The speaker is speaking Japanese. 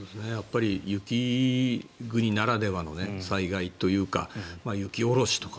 雪国ならではの災害というか雪下ろしとか